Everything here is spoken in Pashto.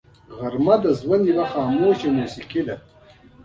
غرمه د ژوند یوه خاموش موسیقي ده